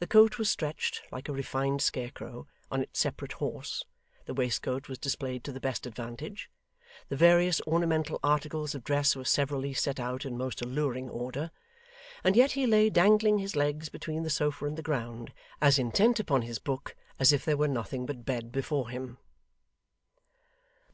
The coat was stretched, like a refined scarecrow, on its separate horse; the waistcoat was displayed to the best advantage; the various ornamental articles of dress were severally set out in most alluring order; and yet he lay dangling his legs between the sofa and the ground, as intent upon his book as if there were nothing but bed before him.